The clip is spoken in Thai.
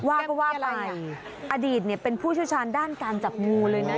ว่าไปอดีตเป็นผู้ชื่อชาญด้านการจับงูเลยนะ